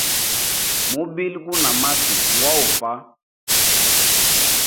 Mubili guna masi ngwa ufwa.